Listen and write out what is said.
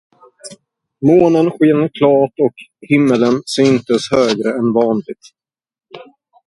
Månen sken klart och himmeln syntes högre än vanligt.